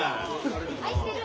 愛してる！